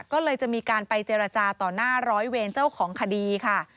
ก็เลยจะมีการไปเจรจาต่อหน้าร้อยเวรเจ้าของคดีค่ะ